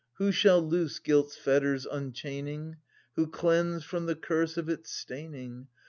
Who shall loose guilt's fetters enchaining ? Who cleanse from the curse of its staining